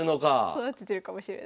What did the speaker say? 育ててるかもしれない。